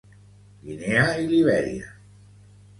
Guinea i Libèria.